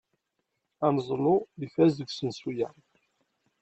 Ameẓlu ifaz deg usensu-a.